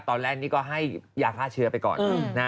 ตอนแรกนี่ก็ให้ยาฆ่าเชื้อไปก่อน